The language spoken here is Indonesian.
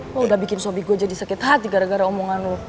lo udah bikin suami gue jadi sakit hati gara gara omongan lo